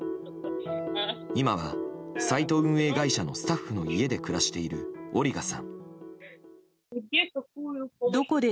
今は、サイト運営会社のスタッフの家で暮らしているオリガさん。